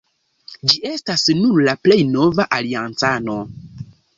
Ĝi estas nun la plej nova aliancano.